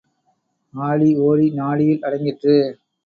ஆடி ஓடி நாடியில் அடங்கிற்று.